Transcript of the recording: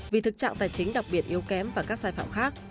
vì thực trạng tài chính đặc biệt yếu kém và các sai phạm khác